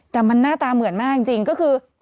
แต่มันหน้าตาเหมือนมากจริงก็คือ